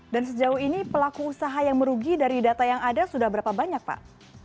dan sejauh ini pelaku usaha yang merugi dari data yang ada sudah berapa banyak pak